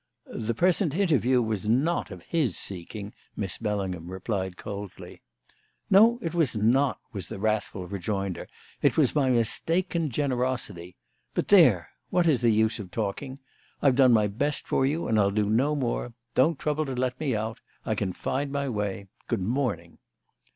"The present interview was not of his seeking," Miss Bellingham replied coldly. "No, it was not," was the wrathful rejoinder; "it was my mistaken generosity. But there what is the use of talking? I've done my best for you and I'll do no more. Don't trouble to let me out; I can find my way. Good morning."